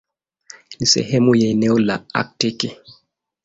Ni sehemu ya eneo la Aktiki.